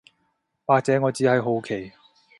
或者我只係好奇